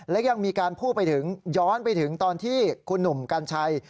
และยังมีการพูดไปถึงย้อนไปถึงตอนที่คุณหนุ่มกัญชัย